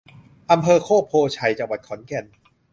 อำเภอโคกโพธิ์ไชย จังหวัดขอนแก่น